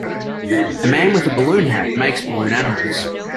A man with a balloon hat makes balloon animals.